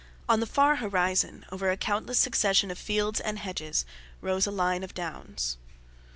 On the far horizon, over a countless succession of fields and hedges, rose a line of downs.